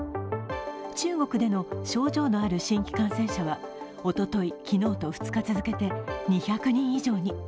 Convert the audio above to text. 中国での症状のある新規感染者はおととい、昨日と２日続けて２００人以上に。